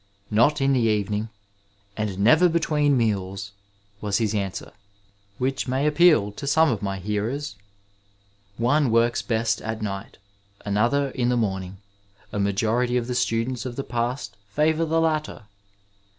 Not in the evening, and never between meals !*' was his answer, which may appeal to some of my hearers. One works best at night; another, in the morning; a majority of the students of the past favour the latter.